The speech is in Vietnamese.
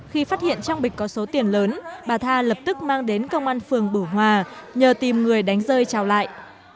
khi phát hiện trong bịch có số tiền lớn bà tha lập tức mang đến công an phường bửu hòa nhờ tìm người đánh rơi trào lại